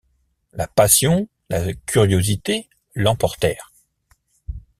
La passion, la curiosité l’emportèrent.